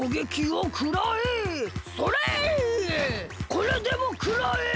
これでもくらえ！